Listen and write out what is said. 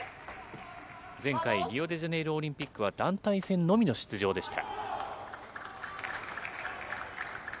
前回、リオデジャネイロオリンピックは団体戦のみの出場でした。